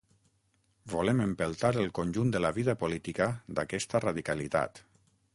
Volem empeltar el conjunt de la vida política d’aquesta radicalitat.